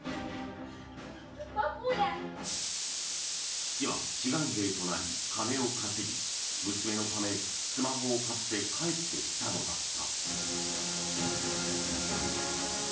父は志願兵となり金を稼ぎ娘のため、スマホを買って帰ってきたのだった。